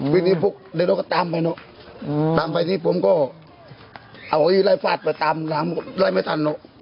วิ่งหนีปุ๊บเด็กน้องก็ตามไปเนอะตามไปที่นี่ผมก็เอาอี้ไล่ฟาดไปตามล้างไม่ทันเนอะ